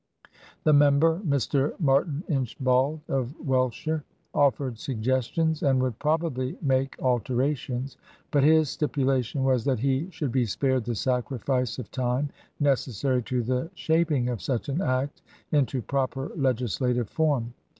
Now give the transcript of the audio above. The member — Mr. Martin Inchbald, of Wellshire — offered suggestions and would probably make alterations, but his stipulation was that he should be spared the sacrifice of time necessary to the shaping of such an act into proper legislative form.